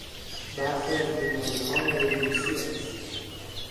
برخی از بیماریها موروثی است.